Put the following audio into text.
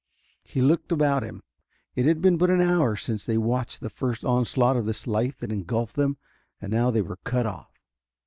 He looked about him. It had been but an hour since they watched the first onslaught of this life that engulfed them. And now they were cut off.